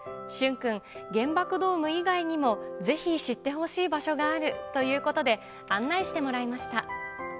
君、原爆ドーム以外にもぜひ知ってほしい場所があるということで、案内してもらいました。